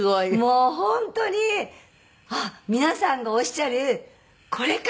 もう本当にあっ皆さんがおっしゃるこれか！